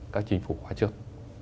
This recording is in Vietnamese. các chính phủ khóa trước